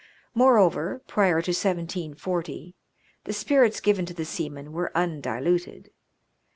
Moreover, prior to 1740, the spirits given to the seamen were undiluted.